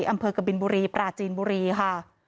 อำเภอกบินบุรีปราจีนบุรีค่ะ